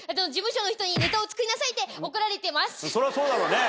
そりゃそうだろね。